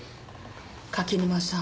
柿沼さん